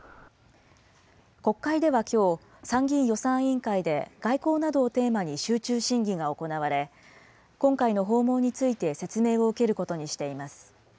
国会ではきょう、参議院予算委員会で外交などをテーマに集中審議が行われ、今回の訪問について説明を受けることにしています。